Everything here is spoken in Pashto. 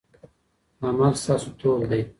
عمل ستاسو تول دی.